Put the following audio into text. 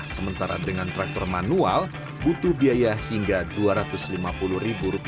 sementara dengan traktor manual butuh biaya hingga rp dua ratus lima puluh